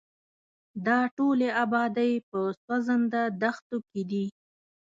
دا ټولې ابادۍ په سوځنده دښتو کې دي.